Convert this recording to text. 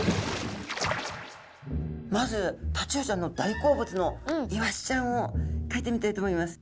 まずタチウオちゃんの大好物のイワシちゃんをかいてみたいと思います。